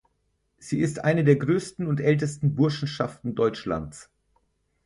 Sie ist eine der größten und ältesten Burschenschaften Deutschlands.